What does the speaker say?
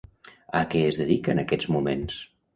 A què es dedica en aquests moments?